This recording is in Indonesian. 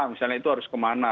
misalnya itu harus kemana